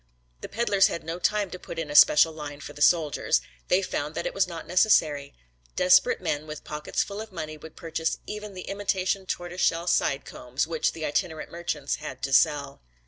The peddlers had no time to put in a special line for the soldiers. They found that it was not necessary. Desperate men with pockets full of money would purchase even the imitation tortoise shell sidecombs which the itinerant merchants had to sell.